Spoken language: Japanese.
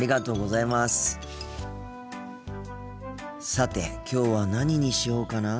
さてきょうは何にしようかなあ。